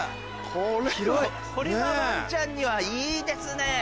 広いこれはワンちゃんにはいいですね。